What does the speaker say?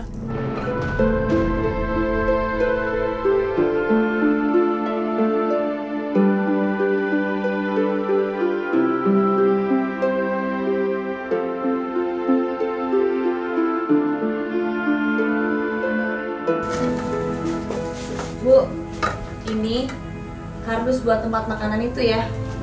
ibu ini kardus buat tempat makanan itu ya